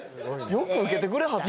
よく受けてくれはった。